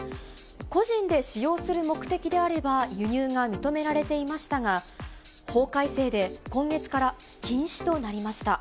個人で使用する目的であれば、輸入が認められていましたが、法改正で今月から禁止となりました。